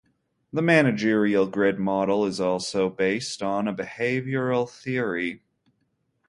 The managerial grid model is also based on a behavioral theory.